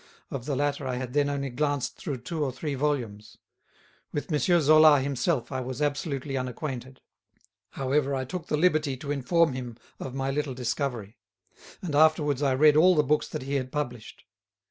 Of the latter I had then only glanced through two or three volumes. With M. Zola himself I was absolutely unacquainted. However, I took the liberty to inform him of my little discovery; and afterwards I read all the books that he had published.